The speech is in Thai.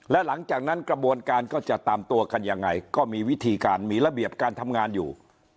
และหลังจากนั้นกระบวนการก็จะตามตัวกันยังไงก็มีวิธีการมีระเบียบการทำงานอยู่